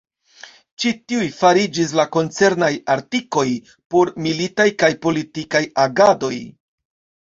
Ĉi tiuj fariĝis la koncernaj artikoj por militaj kaj politikaj agadoj.